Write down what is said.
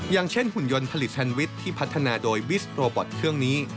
อย่างเช่นหุ่นยนต์ผลิตแพนวิชที่พัฒนาโดยบิสโรบอตเครื่องนี้